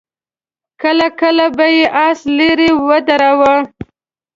کله کله به يې آس ليرې ودراوه.